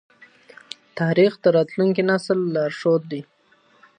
تاریخ د راتلونکي نسل لارښود دی.